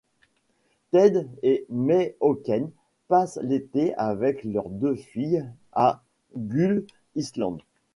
Ted et May Hocken passent l'été avec leurs deux filles à Gull Island.